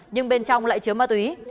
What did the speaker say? nhưng bên trong lại chứa mát túy